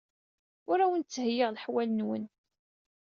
Ur awen-d-ttheyyiɣ leḥwal-nwen.